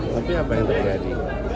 tapi apa yang terjadi